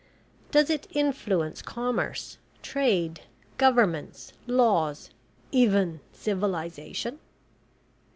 Does it influence commerce, trade, governments, laws even civilisation?